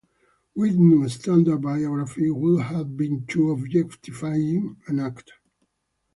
Writing a standard biography would have been too objectifying an act.